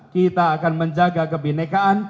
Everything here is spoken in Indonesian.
kita akan menjaga kebenekaan